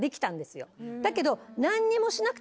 だけど。